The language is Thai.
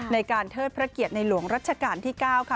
เทิดพระเกียรติในหลวงรัชกาลที่๙ค่ะ